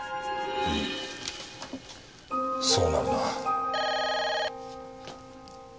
うんそうなるな。